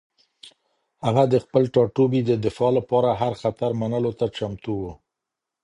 هغه د خپل ټاټوبي د دفاع لپاره هر خطر منلو ته چمتو و.